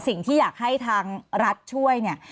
สิ่งที่อยากให้ทางรัฐช่วยเนี่ย